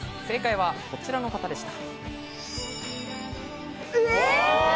正解はこちらの方でした。